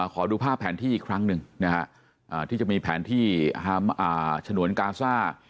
ขอดูภาพแผนที่อีกครั้งหนึ่งนะฮะที่จะมีแผนที่ฉนวนกาซ่า